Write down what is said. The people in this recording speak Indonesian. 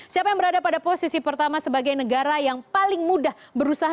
siapa yang berada pada posisi pertama sebagai negara yang paling mudah berusaha